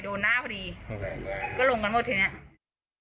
โดนหน้าพอดีก็ลงกันหมดทีเนี้ย